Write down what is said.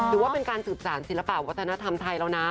ถือว่าเป็นการสืบสารศิลปะวัฒนธรรมไทยแล้วนะ